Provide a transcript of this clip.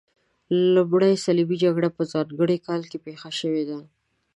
لومړۍ صلیبي جګړه په ځانګړي کال کې پیښه شوې ده.